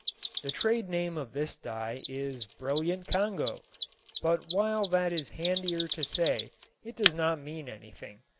The trade name of this dye is Brilliant Congo, but while that is handier to say it does not mean anything.